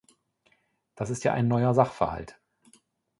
Das ist ja ein neuer Sachverhalt.